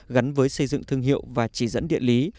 gắn với xây dựng thương hiệu và chỉ dẫn địa lý